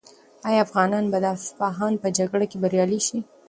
آیا افغانان به د اصفهان په جګړه کې بریالي شي؟